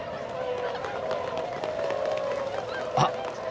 あっ！